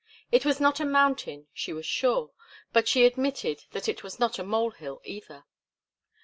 It was not a mountain, she was sure, but she admitted that it was not a mole hill either.